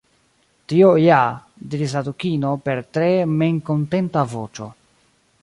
"Tio ja," diris la Dukino per tre memkontenta voĉo."